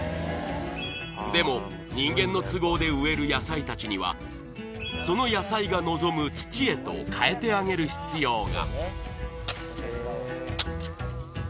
でも、人間の都合で植える野菜たちには土へと変えてあげる必要が。